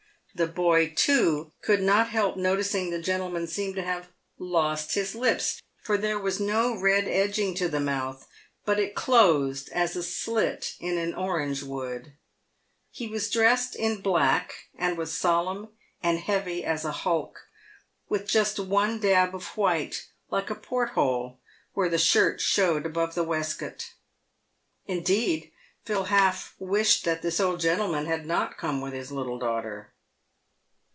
The boy, too, could not help noticing the gentleman seemed to have lost his lips, for there was no red edging to the mouth, but it closed as a slit in an orange would. He was dressed in black, and was solemn and heavy as a hulk, with just one dab of white, like a port hole, where the shirt showed above the waistcoat. Indeed, Phil half wished that this old gentleman had not come with his little daughter.